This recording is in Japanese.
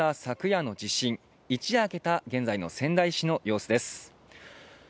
昨夜の地震、一夜明けた現在の仙台市の様子です。